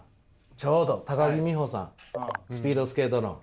ちょうど木美帆さんスピードスケートの。